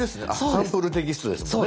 サンプルテキストですもんね。